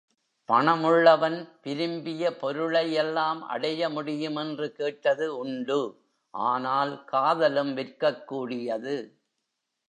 பணமுள்ளவன் விரும்பிய பொருளையெல்லாம் அடைய முடியுமென்று கேட்டது உண்டு ஆனால் காதலும் விற்கக்கூடியது.